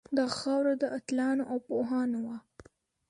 دا خاوره د اتلانو او پوهانو وه